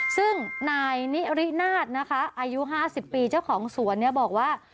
ซึ่งนายนิรินาศนะคะอายุ๕๐ปีเจ้าของสวนเนี่ยบอกว่า